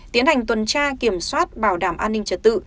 tiến hành tuần tra kiểm soát bảo đảm an ninh trật tự